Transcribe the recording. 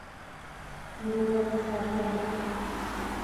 Îro berf û baran e.